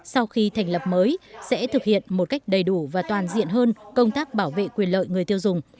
sau khi thành lập mới sẽ thực hiện một cách đầy đủ và toàn diện hơn công tác bảo vệ quyền lợi người tiêu dùng